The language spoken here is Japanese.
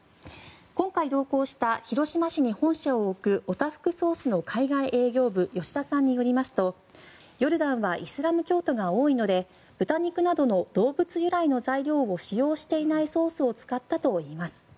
今回同行した広島市に本社を置くオタフクソースの海外営業部吉田さんによりますとヨルダンはイスラム教徒が多いので豚肉などの動物由来の材料を使用していないソースを使ったといいます。